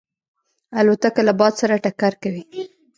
الوتکه له باد سره ټکر کوي.